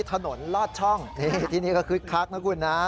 ถนนลอดช่องที่นี่ก็คึกคักนะคุณนะ